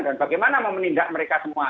dan bagaimana mau menindak mereka semua